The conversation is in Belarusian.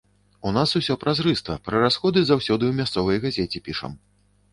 У нас усё празрыста, пра расходы заўсёды ў мясцовай газеце пішам.